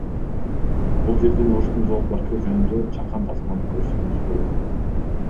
Бул жерден Оштун зоопаркы жөнүндө чакан тасманы көрсөңүз болот